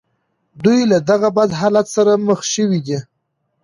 دوی له دغه بد حالت سره مخ شوي دي